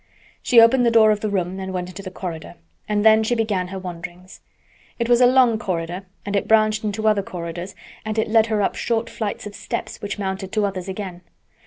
She opened the door of the room and went into the corridor, and then she began her wanderings. It was a long corridor and it branched into other corridors and it led her up short flights of steps which mounted to others again.